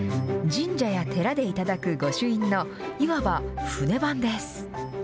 神社や寺で頂く御朱印のいわば船版です。